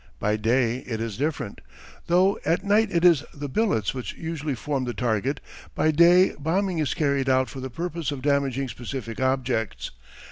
By day it is different. Though at night it is the billets which usually form the target, by day bombing is carried out for the purpose of damaging specific objects.